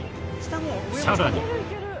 さらに。